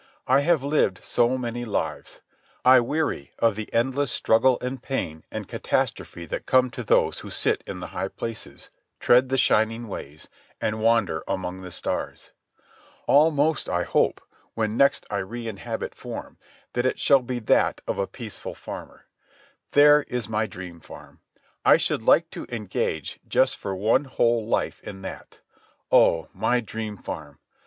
I have lived so many lives. I weary of the endless struggle and pain and catastrophe that come to those who sit in the high places, tread the shining ways, and wander among the stars. Almost I hope, when next I reinhabit form, that it shall be that of a peaceful farmer. There is my dream farm. I should like to engage just for one whole life in that. Oh, my dream farm!